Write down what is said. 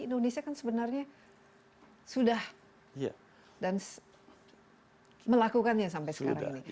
indonesia kan sebenarnya sudah dan melakukannya sampai sekarang ini